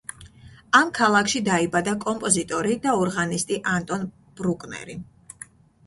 ამ ქალაქში დაიბადა კომპოზიტორი და ორღანისტი ანტონ ბრუკნერი.